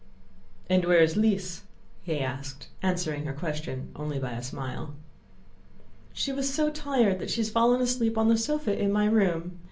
"And where is Lise?" he asked, answering her question only by a smile. "She was so tired that she has fallen asleep on the sofa in my room.